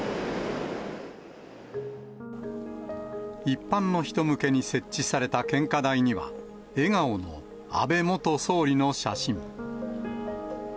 一般の人向けに設置された献花台には、笑顔の安倍元総理の写真。